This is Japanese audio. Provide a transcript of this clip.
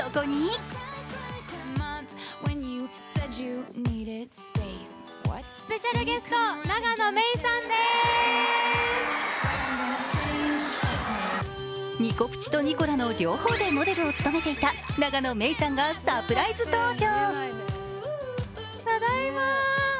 そこに、「ニコ☆プチ」と「ニコラ」の両方でモデルを務めていた永野芽郁さんがサプライズ登場。